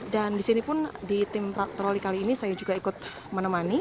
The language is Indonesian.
dan di sini pun di tim patroli kali ini saya juga ikut menemani